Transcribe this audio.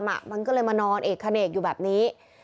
มันก็เลยมานอนเอกเขเนกอยู่แบบนี้